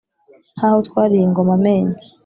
nk’aho twariye ingoma amenyo